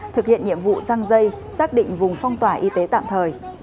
thực hiện nhiệm vụ răng dây xác định vùng phong tỏa y tế tạm thời